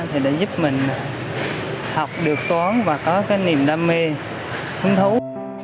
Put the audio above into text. thì đã giúp mình học được toán và có cái niềm đam mê hứng thú